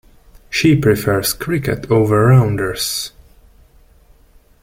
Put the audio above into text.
She prefers cricket over rounders.